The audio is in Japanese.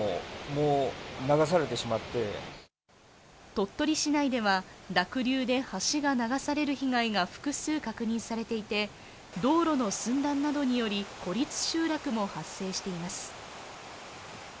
鳥取市内では濁流で橋が流される被害が複数確認されていて道路の寸断などにより孤立集落も発生しています。